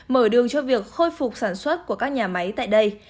mở đường cho việc khôi phục sản xuất của các nhà máy tại đây